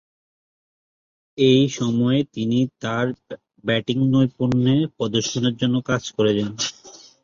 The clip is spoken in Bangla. এ সময়েই তিনি তার ব্যাটিং নৈপুণ্য প্রদর্শনের জন্য কাজ করে যান।